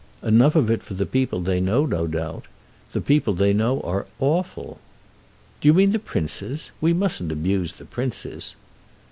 "Enough of it for the people they know, no doubt. The people they know are awful." "Do you mean the princes? We mustn't abuse the princes."